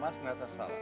mas kenapa salah